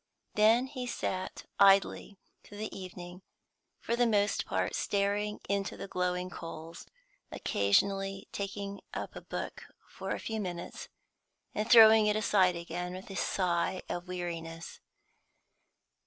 Then he sat idly through the evening, for the most part staring into the glowing coals, occasionally taking up a book for a few minutes, and throwing it aside again with a sigh of weariness.